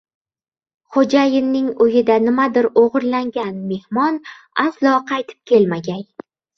– xo‘jayinning uyida nimadir o‘g‘irlagan mehmon aslo qaytib kelmagay.